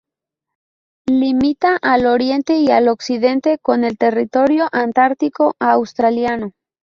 Limita al oriente y al occidente con el Territorio Antártico Australiano.